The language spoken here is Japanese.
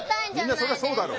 みんなそりゃそうだろ。